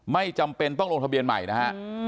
ไม่จำเป็นต้องลงทะเบียนใหม่นะฮะ